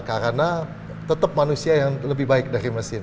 karena tetap manusia yang lebih baik dari mesin